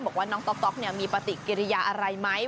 บอกว่าน้องต๊อกมีปฏิกิริยาอะไรไหม